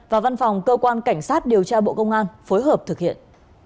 và văn phòng cơ quan cảnh sát điều tra bộ công an phối hợp thực hiện